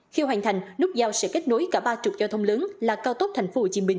khi hoàn thành nút giao sẽ kết nối cả ba trục giao thông lớn là cao tốc tp hcm